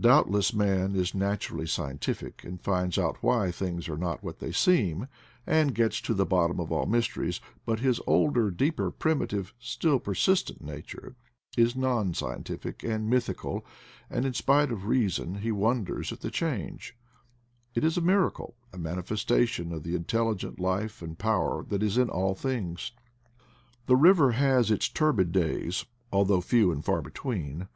Doubtless man is naturally scientific, and finds out why things are not what they seem, and gets to the bottom of all mysteries; but his older, deeper, primitive, still persistent nature is non scientific and mythical, and, in spite of reason, he wonders at the change ;— it is a miracle, a manifestation of the intelligent life and power that is in all things. The river has its turbid days, although few and far between.